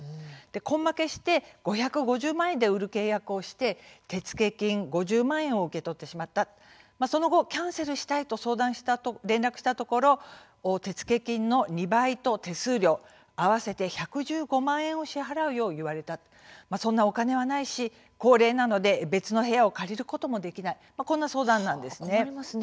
根負けして５５０万円で売る契約をして手付金５０万円を受け取ってしまったその後、キャンセルしたいと連絡したところ手付金の２倍と手数料合わせて１１５万円を支払うよう言われたそんなお金はないし高齢なので別の部屋を借りることもできない、こんな相談なんです。